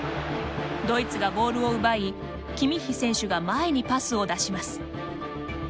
ドイツがボールを奪いキミッヒ選手が前にパスを出します。